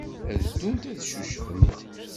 Ad ddunt ad ccucfent.